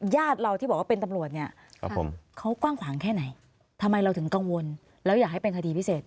ญาติเราที่บอกว่าเป็นตำรวจเนี่ยเขากว้างขวางแค่ไหนทำไมเราถึงกังวลแล้วอยากให้เป็นคดีพิเศษ